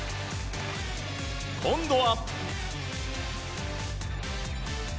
今度は。